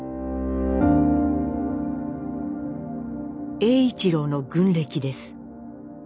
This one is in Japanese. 栄一郎の軍歴です。